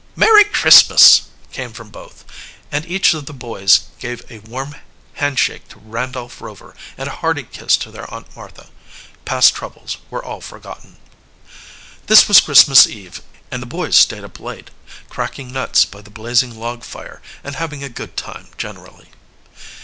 Merry Christmas!" came from both, and each of the boys gave a warm handshake to Randolph Rover and hearty kiss to their Aunt Martha. Past troubles were all forgotten. This was Christmas Eve, and the boys stayed up late, cracking nuts by the blazing log fire and having a good time generally.